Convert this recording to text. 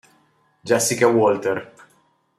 Jessica Walter